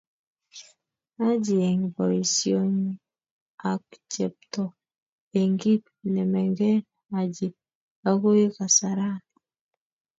Haji eng boisienyii ak chepto eng kit nemengen Haji okoi kasari.